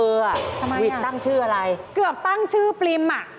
ทำไมวิทย์ตั้งชื่ออะไรเกือบตั้งชื่อปริมอ่ะ